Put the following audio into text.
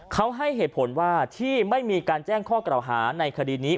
เขาให้เหตุผลว่าที่ไม่มีการแจ้งข้อกล่าวหาในคดีนี้